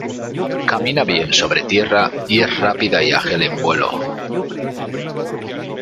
Camina bien sobre tierra, y es rápida y ágil en vuelo.